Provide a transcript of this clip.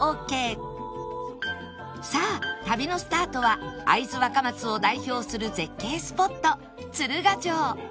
さあ旅のスタートは会津若松を代表する絶景スポット鶴ヶ城